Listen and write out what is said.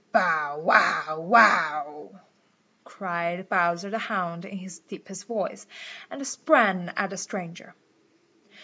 "Bow, wow, wow!" cried Bowser the Hound in his deepest voice, and sprang at the stranger.